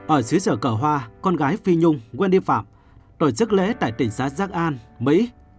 ở xứ sở cờ hoa con gái phi nhung wendy phạm tổ chức lễ tại tỉnh xá giác an mỹ